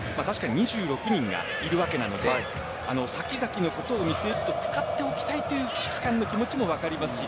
２６人がいるので先々のことを見据えて使っておきたいという指揮官の気持ちも分かりますし